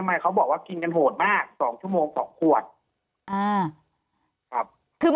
ไม่เขาบอกว่ากินกันโหดมาก๒ชั่วโมง๒ขวด